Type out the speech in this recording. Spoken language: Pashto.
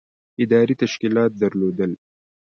ادارې تشکیلات درلودل.